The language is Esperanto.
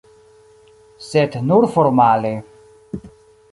Sed nur formale.